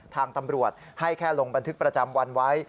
ทางตำรวจให้แค่ลงบันทึกประจำวันไว้